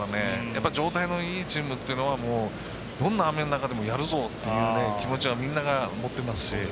やっぱり状態のいいチームはどんな雨の中でもやるぞ！っていう気持ちはみんなが思っていますし。